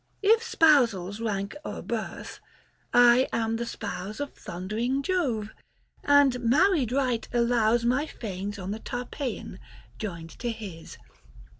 If spousals rank o'er birth, I am the spouse Of thundering Jove ; and married right allows My fanes on the Tarpeian joined to his.